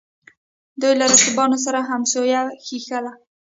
دوی له رقیبانو سره همسویه ښييل